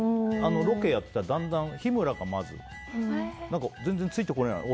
ロケやってたらだんだん日村がまず全然、ついてこれない。